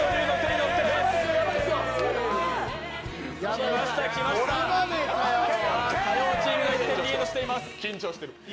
きました、きました、火曜チームが１点リードしています